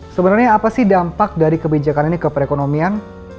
sebenarnya apa sih dampak dari kebijakan ini ke perekonomian